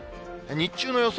日中の予想